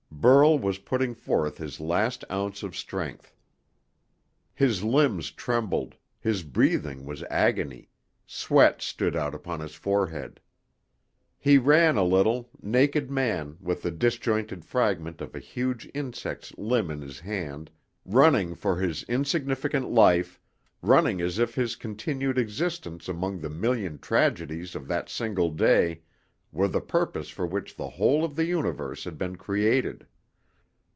Burl was putting forth his last ounce of strength. His limbs trembled, his breathing was agony, sweat stood out upon his forehead. He ran a little, naked man with the disjointed fragment of a huge insect's limb in his hand, running for his insignificant life, running as if his continued existence among the million tragedies of that single day were the purpose for which the whole of the universe had been created.